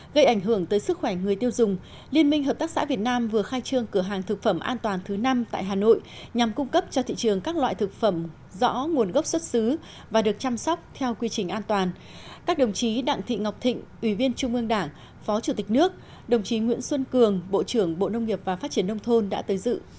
đồng chí nguyễn xuân cường bộ trưởng bộ nông nghiệp và phát triển nông thôn đã tới dự